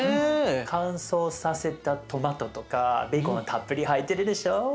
乾燥させたトマトとかベーコンがたっぷり入ってるでしょ。